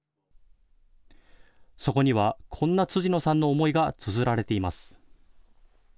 そこには、こんな辻野さんの思いがつづられています。